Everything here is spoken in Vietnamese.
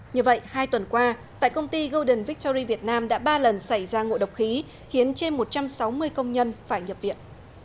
như vậy hai tuần qua tại công ty golden victory việt nam đã ba lần xảy ra ngộ độc khí khiến trên một trăm sáu mươi công nhân phải nhập viện